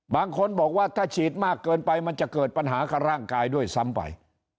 บางคนบอกว่าถ้าฉีดมากเกินไปมันจะเกิดปัญหากับร่างกายด้วยซ้ำไป